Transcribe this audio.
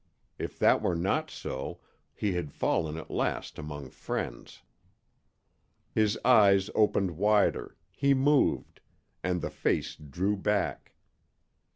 If that were not so, he had fallen at last among friends. His eyes opened wider, he moved, and the face drew back.